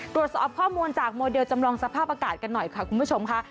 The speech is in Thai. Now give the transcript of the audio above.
ตรวจสอบข้อมูลจากโมเดลจำลองสภาพอากาศกันหน่อยค่ะคุณผู้ชมค่ะ